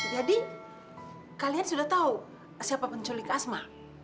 jadi kalian sudah tahu siapa penculik asma